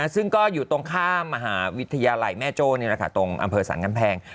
ซึ่งก็อยู่ตรงข้ามมหาวิทยาลัยแม่โจ้ตรงอำเภอสรรกำแพง